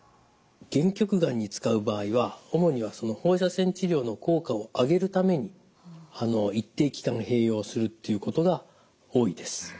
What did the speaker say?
限局がんに使う場合は主には放射線治療の効果を上げるために一定期間併用するということが多いです。